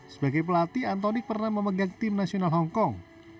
sebagai pelatih antonik pernah memegang tim nasional hongkong